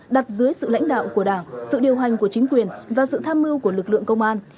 đặt dưới sự lãnh đạo của đảng sự điều hành của chính quyền và sự tham mưu của lực lượng công an